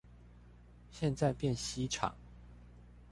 現在變西廠